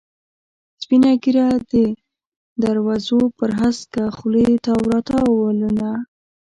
سپینه ږیره، د دروزو پر هسکه خولې تاو را تاو ولونه.